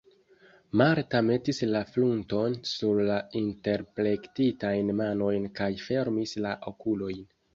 Marta metis la frunton sur la interplektitajn manojn kaj fermis la okulojn.